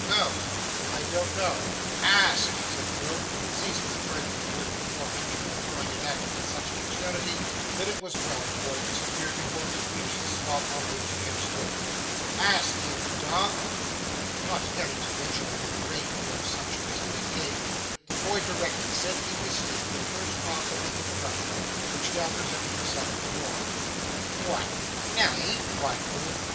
'Who?' 'I don't know.' 'Ask!' said Quilp, seizing the trifle of wood before mentioned and throwing it at him with such dexterity that it was well the boy disappeared before it reached the spot on which he had stood. 'Ask, you dog.' Not caring to venture within range of such missles again, the boy discreetly sent in his stead the first cause of the interruption, who now presented herself at the door. 'What, Nelly!' cried Quilp.